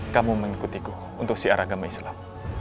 kamu mengikutiku untuk siar agama islam